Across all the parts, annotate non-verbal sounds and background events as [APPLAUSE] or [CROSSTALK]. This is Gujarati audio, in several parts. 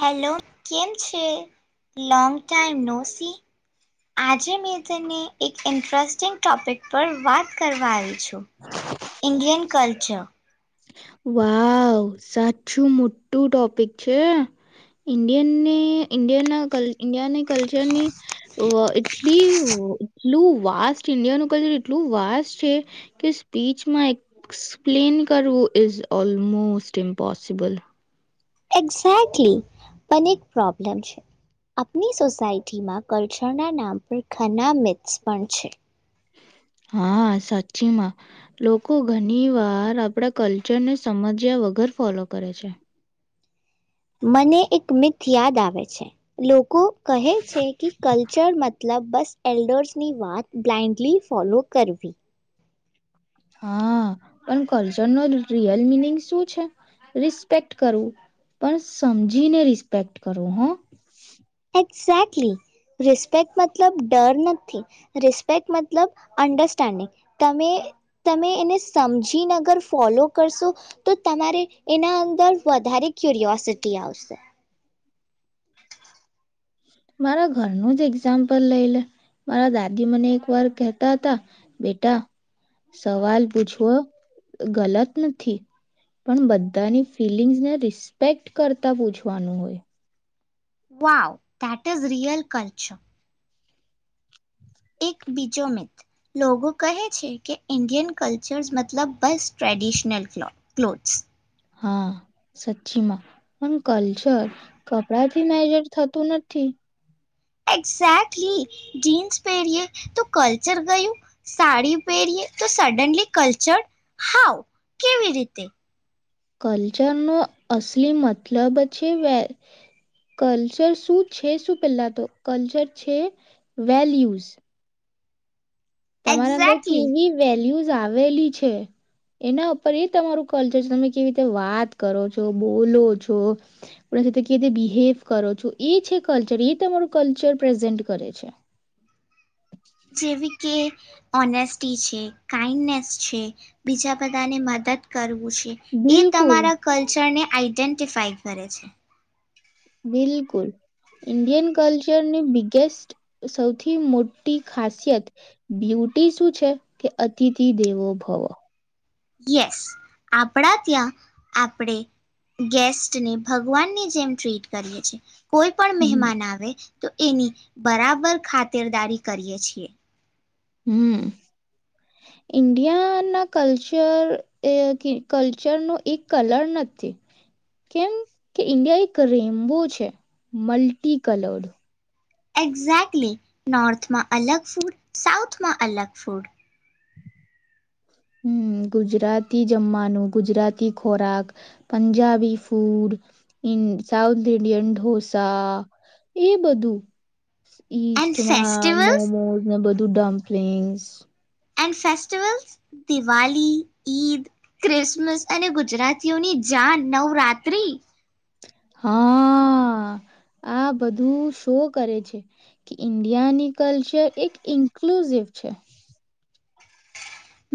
હેલો કેમ છે લોંગ ટાઈમ નોસી આજે મેં તને એક ઇન્ટરેસ્ટિંગ ટોપિક પર વાત કરવા આવી છું ઇન્ડિયન કલ્ચર વાવ સાચું મોટું ટોપિક છે ઇન્ડિયન ને ઇન્ડિય ના ક ઈન્ડિયાની કલ્ચરની એટલી એટલું વાસ્ટ ઇન્ડિયાનું કહે એટલું વાસ્ટ છે કે સ્પીચમાં એક્સપ્લેન કરવું. Is almost impossible. એક્ઝેકલી પણ એક પ્રોબ્લેમ છે આપની સોસાયટીમાં કલ્ચરના નામ પર ઘના મસ પણ છે. હા સાચીમાં લોકો ઘણી વાર આપણા કલ્ચરને સમજ્યા વગર ફોલો કરે છે. મને એક મિથ યાદ આવે છે લોકો કો કહે છે કે કલ્ચર મતલબ બસ એલ્ડર્સની વાત બ્લાઇન્ડલી ફોલો કરવી. હા પણ કલ્ચર નો રિયલ મિનિંગ શું છે રિસ્પેક્ટ કરવું પણ સમજીને રિસ્પેક્ટ કરવું હ. રિસ્પેક્ટ મતલબ ડર નથી રિસ્પેક્ટ મતલબ અંડરસ્ટેન્ડિંગ. તમે તમે એને સમજીને અગર ફોલો કરશો તો તમારે એના અંદર વધારે ક્યુરિયોસિટી આવશે. મારા ઘરનું જ એક્ઝામ્પલ લઈ લે મારા દાદી મને એક વાર કહેતા હતા બેટા સવાલ પૂછવો ગલત નથી પણ બધાની ફિલિંગ્સ ને રિસ્પેક્ટ કરતા પૂછવાનું હોય. Wow, that is real culture. એક બીજો મિત લોકો કહે છે કે ઇન્ડિયન કલ્ચર્સ મતલબ બસ ટ્રેડિશનલ ક્લો ક્લોથ્સ હા, સચી માં પણ કલ્ચર કપડા થી મેજર થતું નથી. એક્ઝેક્ટલી જીન્સ પહેરીએ તો કલ્ચર ગયું સાડી પહેરીએ તો સડનલી કલ્ચર. હાવ? કેવી રીતે? કલ્ચરનો અસલી મતલબ છે વે કલ્ચર શું છે શું પહેલા તો? કલ્ચર છે વેલ્યુઝ. તમારા અંદર એક્ઝેક્ટલી કેવી વેલ્યુ ઝ આવેલી છે એના ઉપર એ તમારું કલ્ચર છે તમે કેવી રીતે વાત કરો છો? બોલો છો? કે રીતે બિહેવ કરો છો એ છે કલ્ચર એ તમારું કલ્ચર પ્રેઝન્ટ કરે છે. જેવી કે ઓનેસ્ટી છે. કાઈન્ડનેસ છે. બીજા બધાને મદદ કરુંવુ. છે. એ બિલકુલ તમારા કલ્ચરને આઈડેન્ટફાઈ કરે છે. બિલકુલ, ઇન્ડિયન કલ્ચરની બિગેસ્ટ સૌથી મોટી ખાસિયત બ્યુટી શું છે કે અતિથિ દેવો ભવો. યસ, આપણા ત્યાં આપણે ગેસ્ટને ભગવાનની જેમ ટ્રીટ કરીએ છીએ. કોઈ પણ હમ મહેમાન આવે તો એની બરાબર ખાતરદારી કરીએ છીએ. હમ્મ, ઇન્ડિયા ના કલ્ચર એ એક કલ્ચર નો એક કલર નથી કેમ કે ઈન્ડિયા એક રેમ્બો છે. Multi coloured. એક્ઝેક્ટલી, નોર્થમાં અલગ ફૂડ. સાઉથમાં અલગ ફૂડ. હમ્મ, ગુજરાતી જમવાનું. ગુજરાતી ખોરાક, Punjabi food, south Indian dosa એ બધું ઇસ્ટ એન્ડ માં ફેસ્ટિવલ્સ મોમોસ ને બધું. દુ dumplings and festival દિવાળ, Eid, Christmas અને ગુજરાતીઓની જાન નવરાત્રી. હા આ બધું શો કરે છે કે ઈન્ડિયાની કલ્ચર એક ઇન્ક્લુઝિવ છે.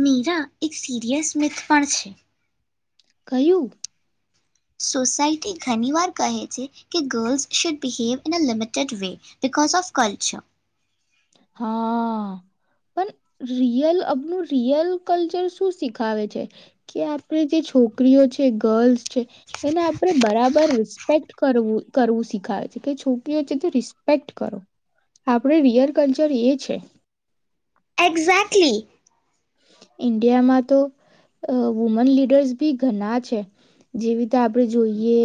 મીરા એક સીરિયલ સ્મિથ પણ છે. કયું? સોસાયટી ઘણી વાર કહે છે કે girls should behave in a limited way because of culture. હા પણ રિયલ આપનું રિયલ કલ્ચર શું સીખાવે છે કે આપણે જે છોકરીઓ છે ગર્લ્સ છે એને આપણે બરાબર રિસ્પેક્ટ કરવું કરવું સીખાવે છે કે છોકરીઓ છે તો રિસ્પેક્ટ કરો આપણે રિયલ કલ્ચર એ છે. એક્ઝેક્ટલી. ઇન્ડિયામાં તો વુમન લીડર્સ બી ઘણા છે જેવી રીતે આપડણે જોઈએ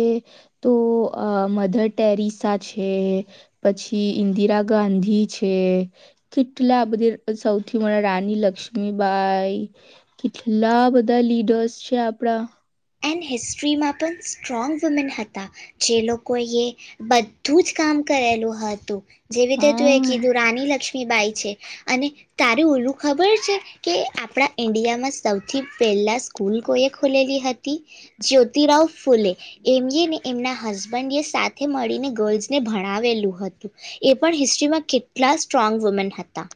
તો મધર ટેરિસા છે પછી ઈન્દિરા ગાંધી છે કેટલા બધા સૌથી મો રાની લક્ષ્મી બાઈ કેટલા બધા લીડર્સ છે આપડા. એડ હિસ્ટ્રીમાં પણ સ્ટ્રોંગ વુમેન હતા જે લોકો એ બધું જ કામ કરેલું હતું. જેવી રીતે તું એક હા કીધું રાની લક્ષ્મી ફીબાય છે અને તારેું ઓલું ખબર છે કે આપણા ઈન્ડિયામાં સૌથી પહેલાં સ્કૂલ કોએ ખુલેલી હતી? જ્યોતિરાવ ફુલે એમએને એમના હસબન્ડ એ સાથે મળીને ગર્લ્સને ભણાવેલું હતું એ પણ હિસ્ટ્રીમાં કેટલા સ્ટ્રોંગ વુમેન હતા.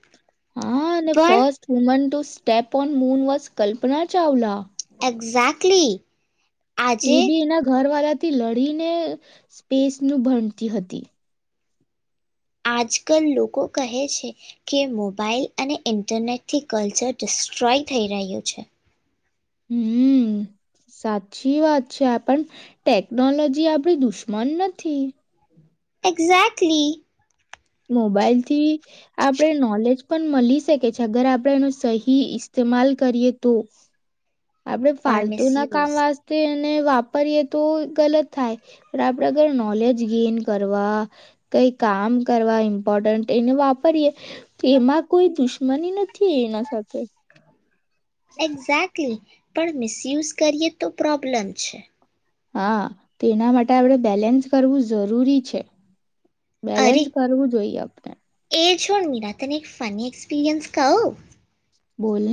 હા અને પણ first woman to step on moon was Kalpana Chawla. Exactly. એ આજે બી એના ઘર વાળા થી લડીને સ્પેસ નું ભણતી હતી. આજકલ લોકો કહે છે કે મોબાાઈલ અને ઈન્ટરનેટથી કલ્ચર ડિસ્ટ્રોય થઈ રહ્યું છે. હમ સાચી વાત છે પણ ટેકનોલોજી આપડી દુશ્મન નથી. એક્ઝેક્ટલી. મોબાઈલથી આપડે નોલેજ પણ મળી શકે છે અગર આપણેે એનો સહી ઇસ્તેમાલ કરીએ તો. આપડ પણ ફાલતુ ના કામ મિસયુઝ વાતે વાપરીએ તો ગલત થાય પણ આપડે ઘર નોલેજ ગેન કરવા કઈ કામ કરવા ઇમ્પોર્ટન્ટ એને વાપરીએ તો એમાં કોઈ દુશ્મની નથી એના સાથે. એક્ઝે્ટલી. પણ મિસયુઝ કરીએ તો પ્રોબ્લેમ છે. હા તો એના માટે આપડે બેલેન્સ કરવું જરૂરી છે. અરે બેલેન્સ કરવું જોઈએ આપણે. એ છોડ નિરા તને એક ફની એક્સપીરિયન્સ કા હો. બોલ.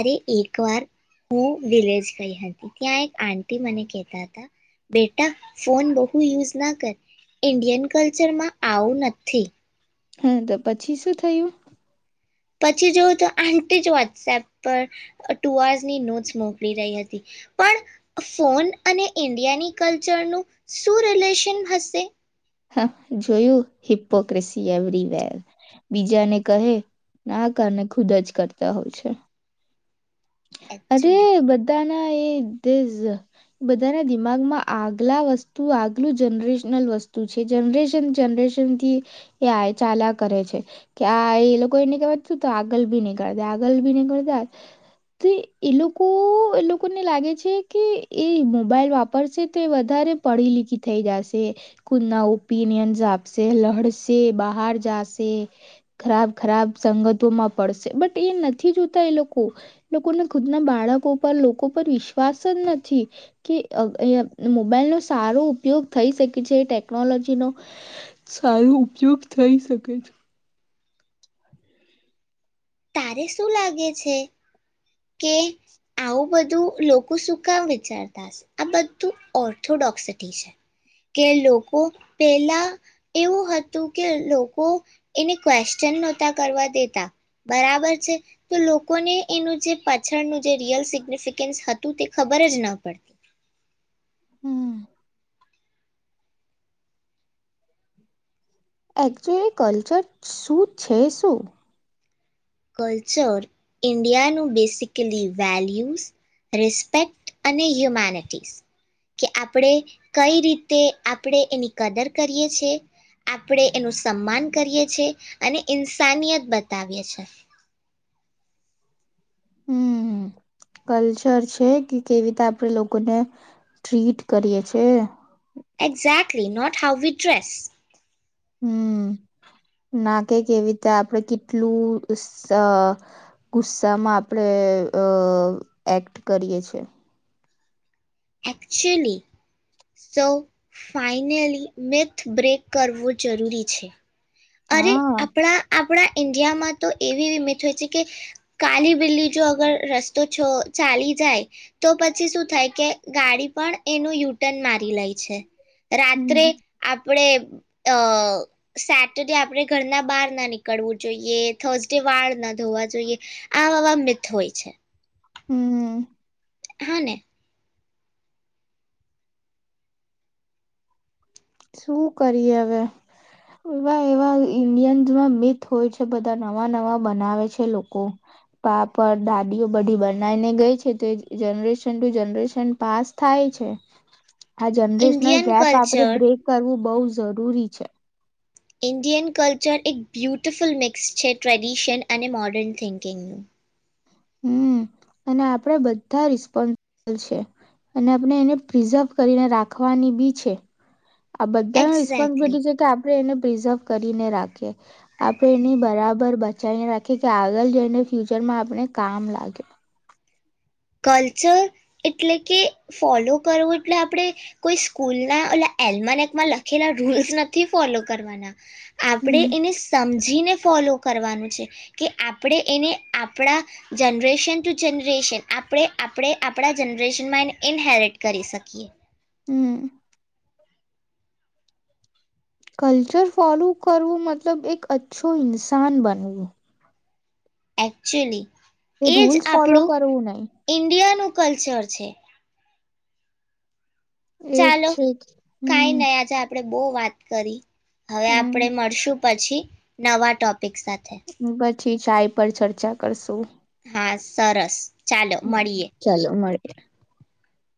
અરે એક વાર હું વિલેજ ગઈ હતી ત્યાં એક આંટી મને કહેતા હતા બેટા ફોન બહુ યુઝ ના કર ઇન્ડિયન કલ્ચરમાં આવું નથી. હા તો પછી શું થયું. પછી જોવ તો આટી જ વોટ્સએપ પર ટુ આર્સની નોટ્સ મોકલી રહી હતી પણ ફોન અને ઈન્ડિયાની કલ્ચરનું શું રિલેશન હશે. હા જોયું હિપ્પોક્રેસી એવરીવેર બીજાને કહે ના કારણે ખુદ જ કરતા હોય છે. અરે એકચુલી બધા એ બધાના દિમાગમાં આગલા વસ્તુ આગલું જનરેશનલ વસ્તુ છે જનરેશન જનરેશન થી એ ચાાલ કરે છે કે આ એ લોકો એને કેવા આગળ ભી નહીકતા આગળ બી નહીકત તે એ લોકો એ લોકોને લાગે છે કે એ મોબાઈલ વાપરશે તો વધારે પઢી લીખી થઈ જશે ખુદના ઓપિનિયન્સ આપશે લડશે બહાર જાશે ખરાબ ખરાબ સંગતોમાં પડશે બટ એ નથી જોતા એ લોકો. લોકોને ખુદના બાળકો પર લોકો પર વિશ્વાસજ નથી કે અયા મોબાઇલ નો સારો ઉપયોગ થઈ શકે છે ટેક્નોલોજીનો સારો ઉપયોગ થઈ શકે છે. તારે શું લાગે છે કે આવું બધું લોકો શું કામ વિચારતા આ બધું ઓર્થોડોક્સિટી છે કે લોકો પેલા એવું હતું કે લોકો એને ક્વેશ્ચન નહોતા કરવા દેતા. બરાબર છે તો લોકોને એનું જે પાછળનું જે રિયલ સિગ્નિફિકન્સ હતું તે ખબર જ ન પડતી. હમ એકચ્યુઅલી કલ્ચર શું છે શું? કલ્ચર ઇન્ડિયાનું બેસિકલી વેલ્યુઝ રિસ્પેક્ટ અને હ્યુમેનિટીઝ કે આપણે કઈ રીતે આપણે એની કદર કરીએ છેએ આપણે એનું સન્માન કરીએ છ છેએ અને ઇન્સાનિયત બતાવીએ છી. હમ કલ્ચર છે કે કેવી રીતે આપણેે લોકોને ટ્રીટ કરીએ છે. Exactly not how we dress hmm ના કે કેવી રીતે આપણે કેટલું ગુસ્સામાં આપણેે અ એક્ટ કરીએ છીએ. એકચુલી સૌ ફઇનલી મિથ બ્રેક કરવો જરૂરી છે. અરે હા આપણા-આપણા ઇન્ડિયામાં તો એવી વિમિત હોય છે કે કાલી બિલ્લી જો અગર રસ્તો છ ચાલી જાય તો પછી શું થાય કે ગાડી પણ એનું યુટર્ન મારી લે. હમ રાત્રે આપડે અ સેટ આપણે ઘરના બહાર ના નીકળવું જોઈએ થર્સડે વાળ ના ધોવા જોઈએ આવા મથ હોય છે. હમ. હા ને શું કરીએ હવે એવા-એવા ઈન્ડિયન્સમાં મિથ હોય છે બધા નવા-નવા બનાવે છે લોકો પાપ દાદીઓ બધી બનાવીને ગઈ છે તો જનરેશન ટુ જનરેશન પાસ થાય છે. હા જનરેશનલ ઇન્ડિયન ગેપ આપડે કલ્ચર બ્રેક નુ બહું જરૂરી છે. ઇન્ડિયન કલ્ચર એક બ્યુટિફુલ મિક્સ છે ટ્રેડિશન અને મોર્ડર્ન થિંકિંગનું હમ અને આપણે બધા રિસ્પોન્સબલ છે અને આપણે એને પ્રિઝર્વ કરીને રાખવાની બી છે. આ બધાને એક્ઝેક્ટલી રિસ્બિલિટી છે આ આપણે એને પ્રિઝર્વ કરીને રાખીએ આપણે એની બરાબર બચાવીને રાખીએ કે આગળ જઈને ફ્યુચરમાં આપણે કામ લાગે. કલ્ચર એટલે કે ફોલો કરવું એટલે આપણે કોઈ સ્કૂલના ઓલા એલ્માનેકમાં લખેલા રૂલ્સ નથી ફોલો કરવાના આપણે હમ એને સમજીને ફોલો કરવાનું છે કે આપણે એને આપણા જનરેશન ટુ જનરેશન આપણે-આપણે આપણા જનરેશનમાં એને ઇનહેરિટ કરી શકીએ. હમ. કલ્ચર ફોલો કરવું મતલબ એક અચ્છો ઈન્સાન બનવું. એક્ચુઅલી. એ રૂલ્સ ફોલો કરવું નહી. ઇન્ડિયાનું કલ્ચર છે. એજ ચાલો છે જ કઈ હમ નઈ આજે આપડે બહુ વાત કરી હવે આપડે હમ મળશું. પછી નવા ટોપ તે સાથે ઠીક છે આ પર ચર્ચા કરશું. હા સરસ ચાલો હમ મળીએે. [INAUDIBLE]